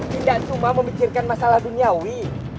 tidak cuma memikirkan masalah duniawi